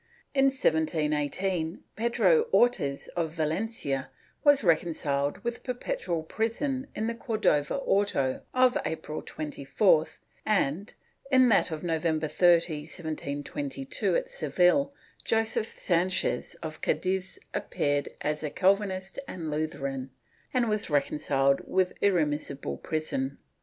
In 1718, Pedro Ortiz of Valencia was reconciled with perpetual prison in the Cordova auto of April 24th, and, in that of November 30, 1722, at Seville, Joseph Sanchez of Cadiz appeared as a "Calvinist and Lutheran" and was recon ciled with irremissible prison.